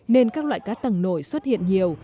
nên các loại cá tầng nổi xuất hiện nhiều